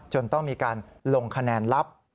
ต้องมีการลงคะแนนลับ